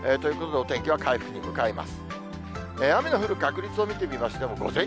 お天気は回復に向かいます。